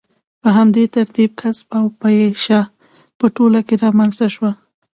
په همدې ترتیب کسب او پیشه په ټولنه کې رامنځته شوه.